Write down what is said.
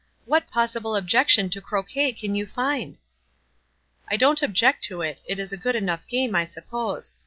What possible objection to croquet can you find?" "I don't object to it; it is a good enough game, I suppose.